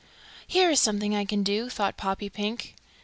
"Here is something I can do," thought Poppypink.